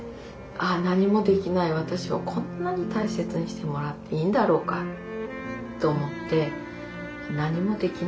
あ何もできない私をこんなに大切にしてもらっていいんだろうかと思って。